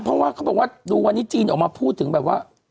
เพราะว่าเขาบอกว่าดูวันนี้จีนออกมาพูดถึงแบบว่า